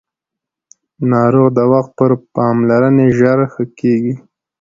ناروغ د وخت پر پاملرنې ژر ښه کېږي